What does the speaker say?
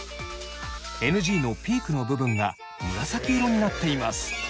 ＮＧのピークの部分が紫色になっています。